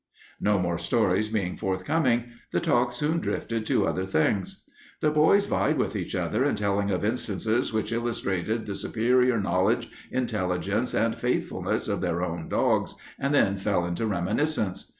'" No more stories being forthcoming, the talk soon drifted to other things. The boys vied with one another in telling of instances which illustrated the superior courage, intelligence, and faithfulness of their own dogs, and then fell into reminiscence.